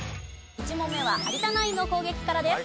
１問目は有田ナインの攻撃からです。